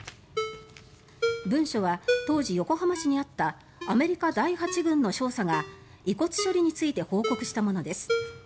文書は当時、横浜市にあったアメリカ第８軍の少佐が遺骨処理について報告したものです。